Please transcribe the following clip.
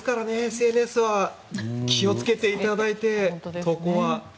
ＳＮＳは気をつけていただいて投稿は。